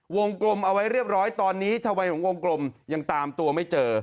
วงกลมเอาไว้เรียบร้อยตอนนี้ทำไมของวงกลมยังตามตัวไม่เจอ